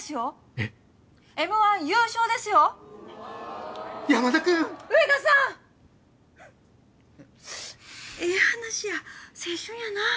えぇ話や青春やなぁ。